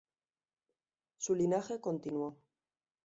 Su linaje continuó.